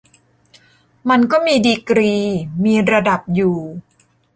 มันก็มีดีกรี มีระดับอยู่